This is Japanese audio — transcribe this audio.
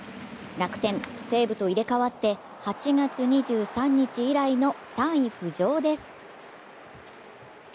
楽天、西武と入れ代わって８月２３日以来の３位浮上です。